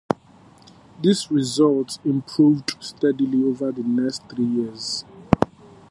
His results improved steadily over the next three years.